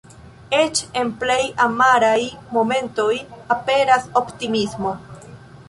Eĉ en plej amaraj momentoj aperas optimismo.